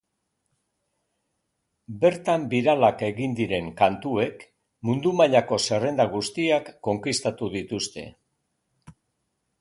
Bertan biralak egin diren kantuek mundu mailako zerrenda guztiak konkistatu dituzte.